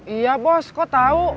iya bos kok tau